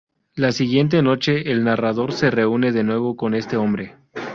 La siguiente noche, el narrador se reúne de nuevo con este hombre.